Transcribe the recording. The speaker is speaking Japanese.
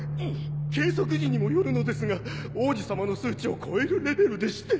計測時にもよるのですが王子様の数値を超えるレベルでして。